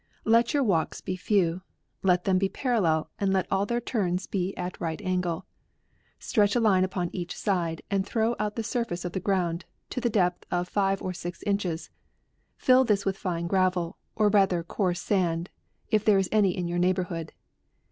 Let your walks be few ; let them be par allel, and let all their turns be at right angle. Stretch a line upon each side, and throw out the surface of the ground, to the depth of five or six inches ; fill this with fine gravel, or rather coarse sand, if there is any in your neighbourhood.